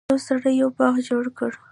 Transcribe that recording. یو سړي یو باغ جوړ کړ.